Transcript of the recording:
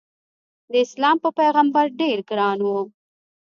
داسلام په پیغمبر ډېر ګران و.